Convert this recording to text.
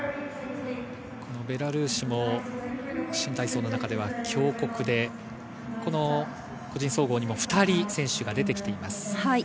ベラルーシも新体操の中では強国で個人総合に２人選手が出てきています。